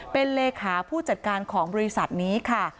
เป็นเลขาผู้จัดการของบริษัทนี้ค่ะ